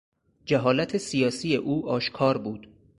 جهالت سیاسی او آشکار بود.